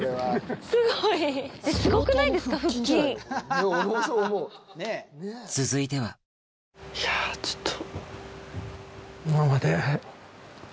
すごい！続いてはいやぁちょっと。